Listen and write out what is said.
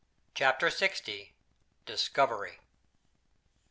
CHAPTER LX. DISCOVERY.